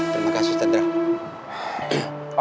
terima kasih tandra